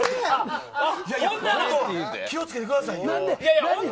気を付けてくださいよ。